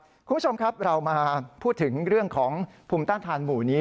คุณผู้ชมครับเรามาพูดถึงเรื่องของภูมิต้านทานหมู่นี้